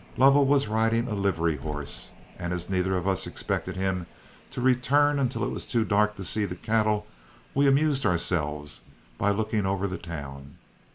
Lovell was riding a livery horse, and as neither of us expected him to return until it was too dark to see the cattle, we amused ourselves by looking over the town.